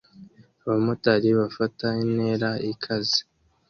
Abamotari bafata intera ikaze